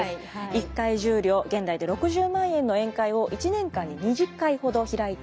１回１０両現代で６０万円の宴会を１年間に２０回ほど開いていたとされています。